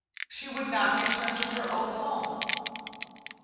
She would not return to her old home.